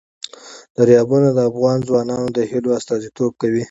دریابونه د افغان ځوانانو د هیلو استازیتوب کوي.